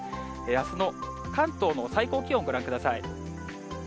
あすの関東の最高気温、ご覧ください。